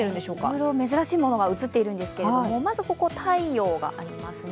いろいろ珍しいものが写っているんですがまずここ、太陽がありますね。